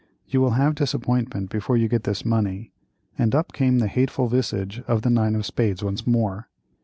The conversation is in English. "You will have disappointment before you get this money," and up came the hateful visage of the nine of spades once more.